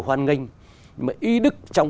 hoan nghênh mà y đức trong